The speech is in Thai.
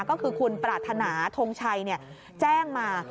ก็คือคุณประธานาธงชัยเนี่ยแจ้งมา